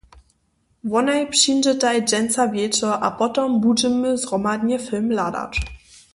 Wonaj přińdźetaj dźensa wječor a potom budźemy zhromadnje film hladać.